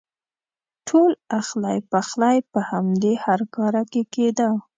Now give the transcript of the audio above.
ټول اخلی پخلی په همدې هرکاره کې کېده.